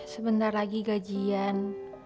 sebentar lagi gajian